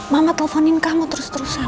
mama teleponin kamu terus terusan